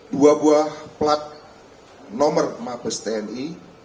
dua buah plat nomor mabes tni